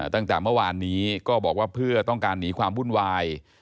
ตั้งแต่เมื่อวานนี้ก็บอกว่าเพื่อต้องการหนีความวุ่นวาย